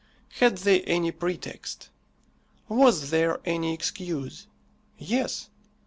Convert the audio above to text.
Had they any pretext? Was there any excuse? Yes.